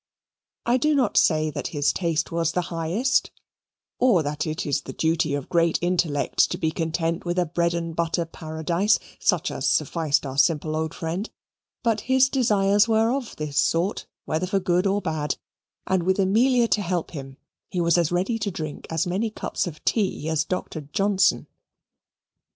I do not say that his taste was the highest, or that it is the duty of great intellects to be content with a bread and butter paradise, such as sufficed our simple old friend; but his desires were of this sort, whether for good or bad, and, with Amelia to help him, he was as ready to drink as many cups of tea as Doctor Johnson.